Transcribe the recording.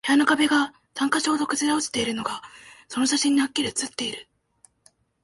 部屋の壁が三箇所ほど崩れ落ちているのが、その写真にハッキリ写っている